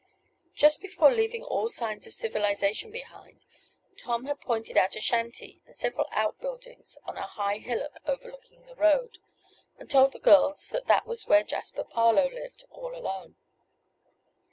Just before leaving all signs of civilization behind, Tom had pointed out a shanty and several outbuildings on a high hillock overlooking the road, and told the girls that that was where Jasper Parloe lived, all alone.